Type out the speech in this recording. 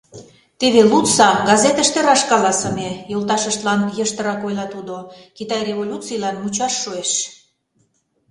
— Теве лудса, газетыште раш каласыме, — йолташыштлан йыштрак ойла тудо, — Китай революцийлан мучаш шуэш.